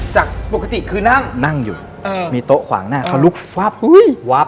จากปกติคือนั่งนั่งอยู่เออมีโต๊ะขวางหน้าเขาลุกวับ